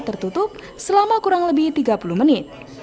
tertutup selama kurang lebih tiga puluh menit